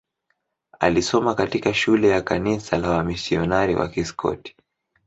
alisoma katika shule ya kanisa la wamisionari wa Kiskoti